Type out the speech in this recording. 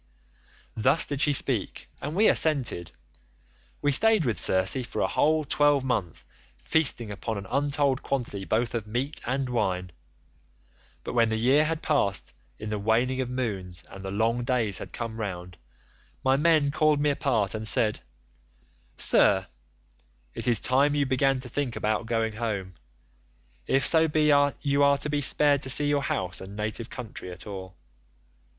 "Thus did she speak and we assented. We stayed with Circe for a whole twelvemonth feasting upon an untold quantity both of meat and wine. But when the year had passed in the waning of moons and the long days had come round, my men called me apart and said, 'Sir, it is time you began to think about going home, if so be you are to be spared to see your house and native country at all.